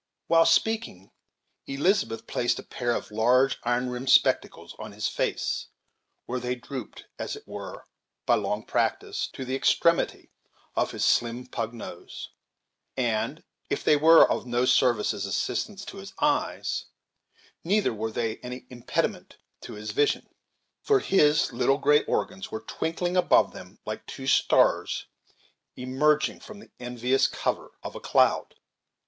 While speaking, Elnathan placed a pair of large iron rimmed spectacles on his face, where they dropped, as it were by long practice, to the extremity of his slim pug nose; and, if they were of no service as assistants to his eyes, neither were they any impediment to his vision; for his little gray organs were twinkling above them like two stars emerging from the envious cover of a cloud.